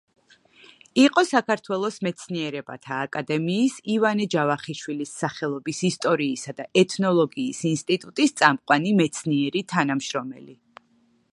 იყო საქართველოს მეცნიერებათა აკადემიის ივანე ჯავახიშვილის სახელობის ისტორიისა და ეთნოლოგიის ინსტიტუტის წამყვანი მეცნიერი თანამშრომელი.